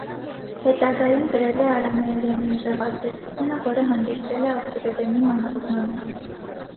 Հետագայում կրել է արամեերենի ուժեղ ազդեցություևը, որը հանգեցրել է ասուրերենի մահացմանը։